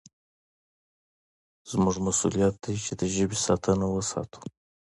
زموږ مسوولیت دی چې د ژبې ساتنه وساتو.